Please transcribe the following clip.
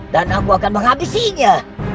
dan aku akan menghabisinya